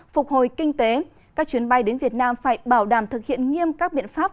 phục hồi kinh tế các chuyến bay đến việt nam phải bảo đảm thực hiện nghiêm các biện pháp